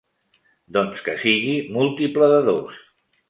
Doncs que sigui múltiple de dos.